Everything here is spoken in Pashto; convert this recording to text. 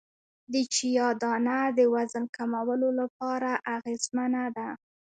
د چیا دانه د وزن کمولو لپاره اغیزمنه ده